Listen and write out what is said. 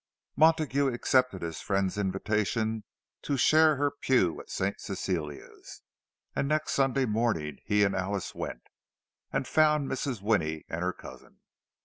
Montague accepted his friend's invitation to share her pew at St. Cecilia's, and next Sunday morning he and Alice went, and found Mrs. Winnie with her cousin.